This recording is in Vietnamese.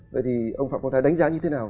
vậy thì ông phạm quang thái đánh giá như thế nào